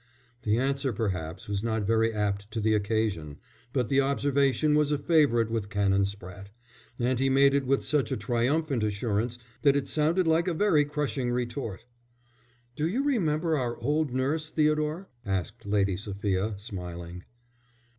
The answer perhaps was not very apt to the occasion, but the observation was a favourite with Canon Spratte; and he made it with such a triumphant assurance that it sounded like a very crushing retort. "Do you remember our old nurse, Theodore?" asked Lady Sophia, smiling.